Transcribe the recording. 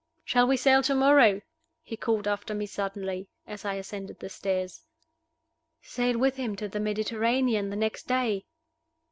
"Shall we sail to morrow?" he called after me suddenly, as I ascended the stairs. Sail with him to the Mediterranean the next day?